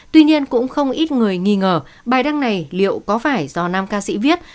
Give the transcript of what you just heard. tuy nhiên cũng không ít người nghi ngờ bài đăng này liệu có phải do nam ca sĩ viết